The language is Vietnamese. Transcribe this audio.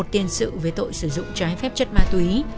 một tiền sự về tội sử dụng trái phép chất ma túy